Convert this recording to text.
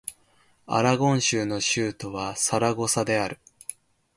アラゴン州の州都はサラゴサである